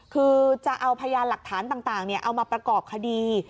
คือจะเอาพยานหลักฐานต่างเอามาประกอบคดี